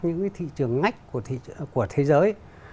những cái thị trường ngách của thế giới